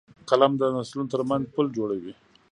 قلم د نسلونو ترمنځ پُل جوړوي